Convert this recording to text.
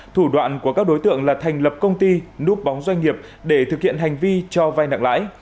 thủ đoạn của các đối tượng là thành lập công ty núp bóng doanh nghiệp để thực hiện hành vi cho vai nặng lãi